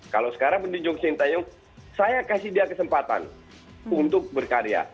kalau sekarang saya kasih dia kesempatan untuk berkarya